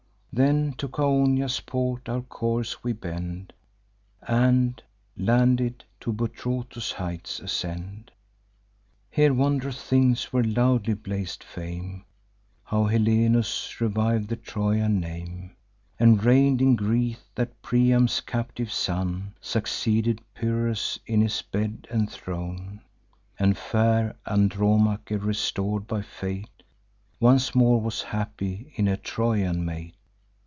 "Then to Chaonia's port our course we bend, And, landed, to Buthrotus' heights ascend. Here wondrous things were loudly blaz'd fame: How Helenus reviv'd the Trojan name, And reign'd in Greece; that Priam's captive son Succeeded Pyrrhus in his bed and throne; And fair Andromache, restor'd by fate, Once more was happy in a Trojan mate.